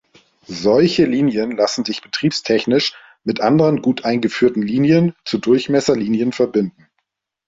Solche Linien lassen sich betriebstechnisch mit anderen gut eingeführten Linien zu Durchmesserlinien verbinden.